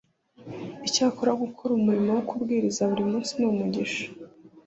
Icyakora gukora umurimo wo kubwiriza buri munsi ni umugisha